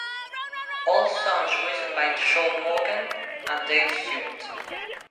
All songs written by Shaun Morgan and Dale Stewart.